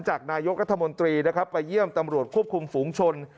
จากนายกรัฐมนตรีนะครับไปเยี่ยมตำรวจควบคุมฝูงชน